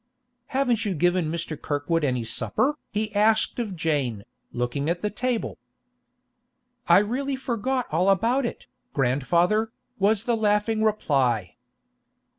'Haven't you given Mr. Kirkwood any supper?' he asked of Jane, looking at the table. 'I really forgot all about it, grandfather,' was the laughing reply.